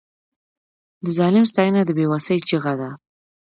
د ظالم ستاینه د بې وسۍ چیغه ده.